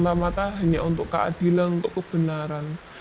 semata mata hanya untuk keadilan untuk kebenaran